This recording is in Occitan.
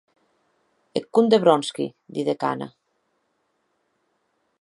Eth comde Vronsky, didec Anna.